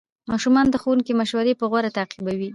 ماشومان د ښوونکي مشورې په غور تعقیبوي